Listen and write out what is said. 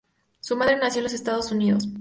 Su madre nació en los Estados Unidos.